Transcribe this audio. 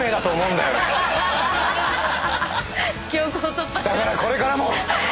だからこれからも。